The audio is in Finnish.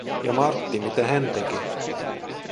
Ja Martti, mitä hän teki?